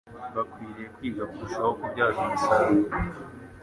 bakwiriye kwiga kurushaho kubyaza umusaruro